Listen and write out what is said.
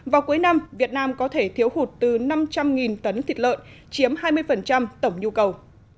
vào cuối năm việt nam có thể thiếu hụt từ năm trăm linh tấn thịt lợn chiếm hai mươi tổng nhu cầu